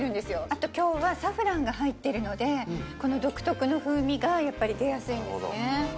あと今日はサフランが入ってるのでこの独特の風味がやっぱり出やすいんですね